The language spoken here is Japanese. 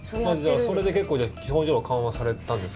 それで結構、症状は緩和されたんですか？